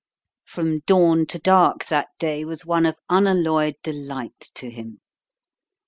From dawn to dark that day was one of unalloyed delight to him.